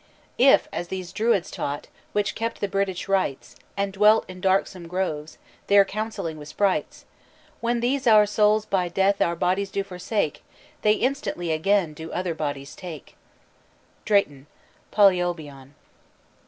"If, as those Druids taught, which kept the British rites, And dwelt in darksome groves, there counselling with sprites, When these our souls by death our bodies do forsake They instantly again do other bodies take " DRAYTON: _Polyolbion.